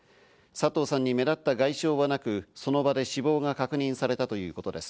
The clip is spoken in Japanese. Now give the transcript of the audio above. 佐藤さんに目立った外傷はなく、その場で死亡が確認されたということです。